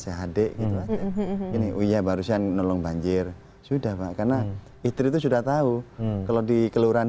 sehadeh ini uya barusan nolong banjir sudah pak karena istri itu sudah tahu kalau dikeluaran